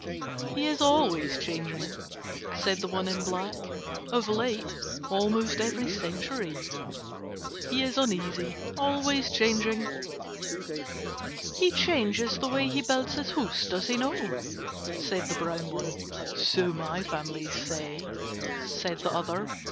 "He is always changing," said the one in black, "of late almost every century. He is uneasy. Always changing." "He changes the way he builds his house, does he not?" said the brown one. "So my family say," said the other.